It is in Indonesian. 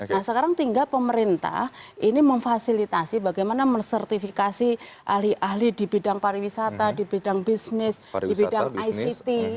nah sekarang tinggal pemerintah ini memfasilitasi bagaimana mensertifikasi ahli ahli di bidang pariwisata di bidang bisnis di bidang ict